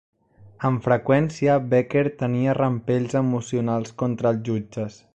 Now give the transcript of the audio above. Amb freqüència, Becker tenia rampells emocionals contra els jutges.